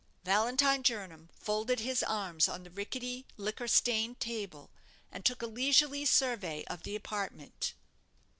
Valentine Jernam folded his arms on the rickety, liquor stained table, and took a leisurely survey of the apartment.